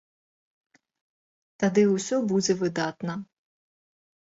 Тады ўсё будзе выдатна.